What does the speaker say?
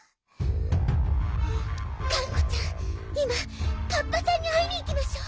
がんこちゃんいまカッパさんにあいにいきましょう。